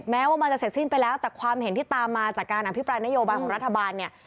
แม้ว่ามันจะเสร็จสิ้นไปแล้วแต่ความเห็นที่ตามมาจากการอภิปรายนโยบายของรัฐบาลเนี่ย